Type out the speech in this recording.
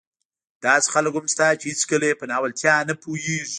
داسې خلک هم شته چې هېڅکله يې په ناولتیا نه پوهېږي.